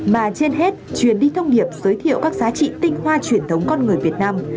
mà trên hết truyền đi thông điệp giới thiệu các giá trị tinh hoa truyền thống con người việt nam